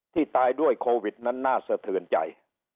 ตายด้วยโควิดนั้นน่าสะเทือนใจ